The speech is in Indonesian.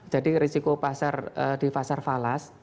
jadi risiko pasar di pasar falas